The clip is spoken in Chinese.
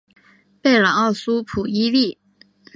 贝朗奥苏普伊利。